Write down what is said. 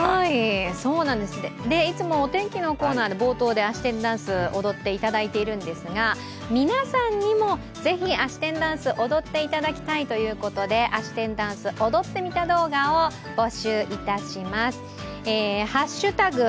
いつもお天気のコーナーの冒頭であし天ダンス、踊っていただいているんですが皆さんにも是非あし天ダンス踊っていただきたいということであし天ダンス踊ってみた動画を募集いたします＃